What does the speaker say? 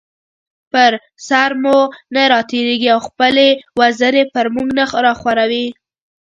پر سر مو نه راتېريږي او خپلې وزرې پر مونږ نه راخوروي